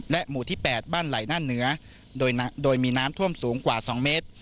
หมู่ที่๘บ้านไหล่หน้าเหนือโดยมีน้ำท่วมสูงกว่า๒เมตร